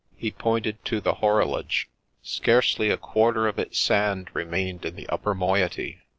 He pointed to the horologe ; scarcely a quarter of its sand remained in the upper moiety.